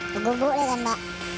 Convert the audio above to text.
tunggu tunggu deh kan mbak